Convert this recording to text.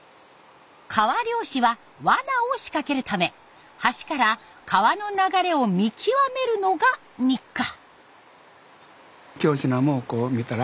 川漁師はわなを仕掛けるため橋から川の流れを見極めるのが日課。